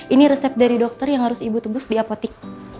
ini resep dari dokter yang harus ibu tebus di apotik